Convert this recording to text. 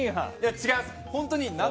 違います。